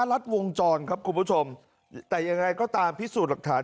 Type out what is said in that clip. รัดวงจรครับคุณผู้ชมแต่ยังไงก็ตามพิสูจน์หลักฐาน